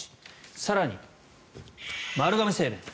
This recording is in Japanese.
更に、丸亀製麺。